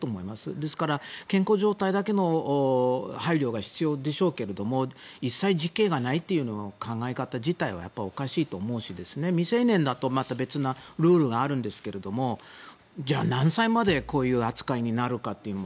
ですから、健康状態だけの配慮が必要でしょうですけれども一切、受刑がないという考え方自体はおかしいと思うし未成年だとまた別のルールがあるんですけどじゃあ、何歳までこういう扱いになるかというのは